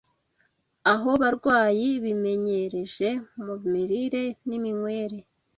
abo barwayi bimenyereje mu mirire n’iminywere